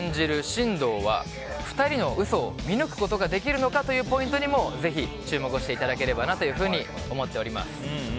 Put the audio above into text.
新藤は２人の嘘を見抜くことができるのかというポイントにもぜひ注目していただければなと思っております。